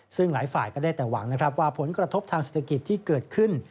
ซึ่งหลายฝ่ายก็ได้แต่หวังนะครับว่าผลกระทบทางเศรษฐกิจที่เกิดขึ้น